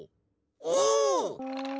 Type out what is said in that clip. お！